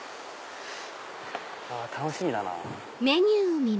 楽しみだな。